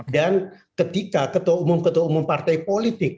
dan ketika ketua umum ketua umum partai politik